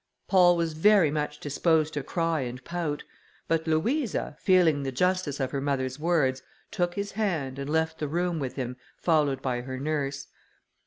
Paul was very much disposed to cry and pout; but Louisa, feeling the justice of her mother's words, took his hand, and left the room with him, followed by her nurse.